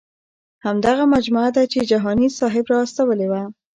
همدغه مجموعه ده چې جهاني صاحب را استولې وه.